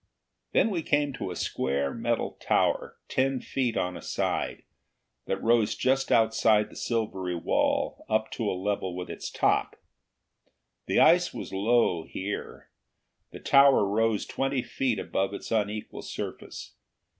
Then we came to a square metal tower, ten feet on a side, that rose just outside the silvery wall, to a level with its top. The ice was low here; the tower rose twenty feet above its unequal surface.